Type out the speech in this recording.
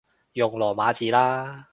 用羅馬字啦